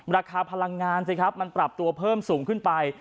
ราคาพลังงานสิครับมันปรับตัวเพิ่มสูงขึ้นไป